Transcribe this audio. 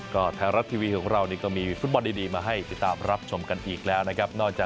ก็ไทยรัฐทีวีของเรานี่ก็มีฟุตบอลดีมาให้ติดตามรับชมกันอีกแล้วนะครับ